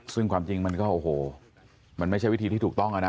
ซึ่งความจริงมันก็โอ้โหมันไม่ใช่วิธีที่ถูกต้องนะ